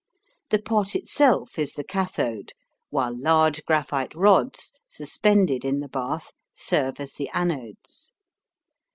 The pot itself is the cathode, while large graphite rods suspended in the bath serve as the anodes.